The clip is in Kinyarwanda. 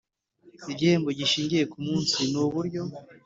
Igihembo gishingiye ku munsi ni uburyo